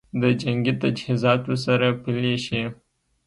د جنګي تجهیزاتو سره پلي شي